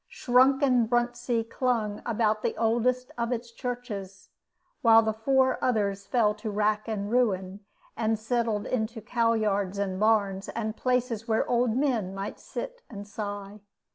Shrunken Bruntsea clung about the oldest of its churches, while the four others fell to rack and ruin, and settled into cow yards and barns, and places where old men might sit and sigh.